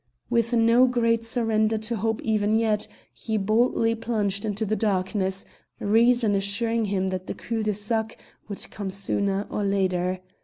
With no great surrender to hope even yet, he boldly plunged into the darkness, reason assuring him that the cul de sac would come sooner or later.